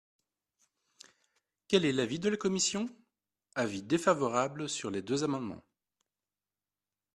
Quel est l’avis de la commission ? Avis défavorable sur les deux amendements.